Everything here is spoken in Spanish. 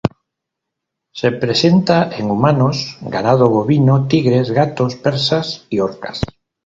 Se presenta en humanos, ganado bovino, tigres, gatos persas y orcas.